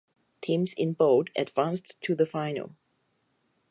Teams in Bold advanced to the final.